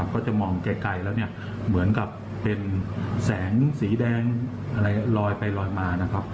ก็จะมองไกลแล้วเหมือนกับเป็นแสงสีแดงลอยไปลอยมา